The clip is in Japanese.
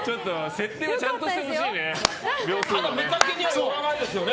設定ちゃんとしてほしいね秒数とね。